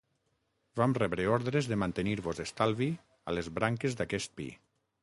Vam rebre ordres de mantenir-vos estalvi a les branques d'aquest pi.